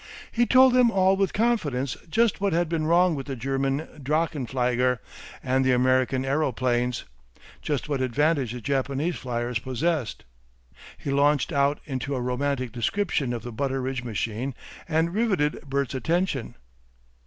He told them all with confidence just what had been wrong with the German drachenflieger and the American aeroplanes, just what advantage the Japanese flyers possessed. He launched out into a romantic description of the Butteridge machine and riveted Bert's attention.